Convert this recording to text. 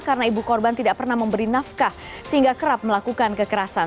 karena ibu korban tidak pernah memberi nafkah sehingga kerap melakukan kekerasan